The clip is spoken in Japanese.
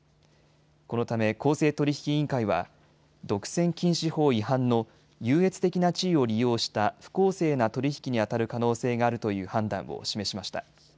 このため公正取引委員会は独占禁止法違反の優越的な地位を利用した不公正な取り引きにあたる可能性があるという判断を示しました。